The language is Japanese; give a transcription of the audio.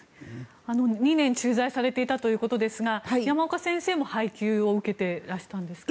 ２年駐在されていたということですが山岡先生も配給を受けてらしたんですか？